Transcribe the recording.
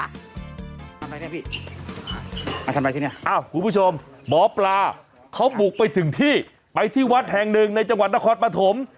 อ้าวคุณผู้ชมหมอปลาเขาบุกไปถึงที่ไปที่วัดแห่งหนึ่งในจังหวัดนครปฐม